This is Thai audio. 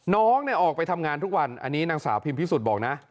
น้องเนี่ยออกไปทำงานทุกวันอันนี้นางสาวพิมพิสุทธิบอกนะ